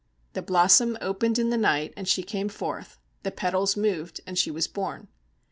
The blossom opened in the night, and she came forth; the petals moved, and she was born.